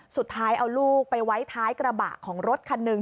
สุดท้ายเอาลูกไปไว้ท้ายกระบะของรถคันหนึ่ง